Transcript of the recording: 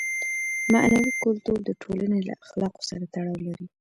معنوي کلتور د ټولنې له اخلاقو سره تړاو لري.